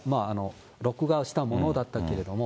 録画をしたものだったけれども。